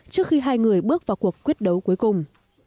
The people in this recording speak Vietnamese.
trước khi hai người bước vào cuộc quyết đấu cuối cùng